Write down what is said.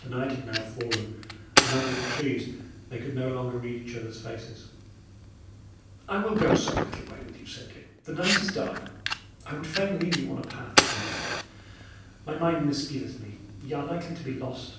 The night had now fallen, and under the trees they could no longer read each other's face. "I will go some little way with you," said Dick. "The night is dark. I would fain leave you on a path, at least. My mind misgiveth me, y' are likely to be lost."